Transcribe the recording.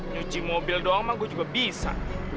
nyuci mobil doang mah gue juga bisa